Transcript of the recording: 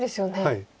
はい。